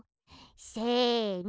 せの。